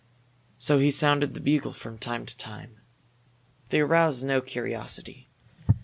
So he sounded the bugle from time to time. They aroused no curiosity.